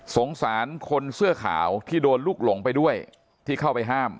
สงสารคนเสื้อขาวที่โดนลูกหลงไปด้วยที่เข้าไปห้าม